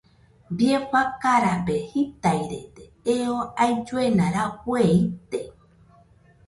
Bie fakarabe jitairede eo ailluena rafue ite.